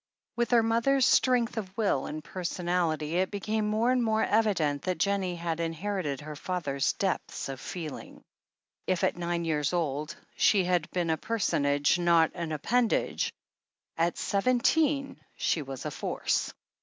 ... With her mother's strength of will and personality, it became more and more evident that Jennie had in herited her father's depths of feeling. If at nine years old she had been a personage, not an appendage, at seventeen she was a force.